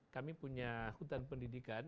kami punya hutan pendidikan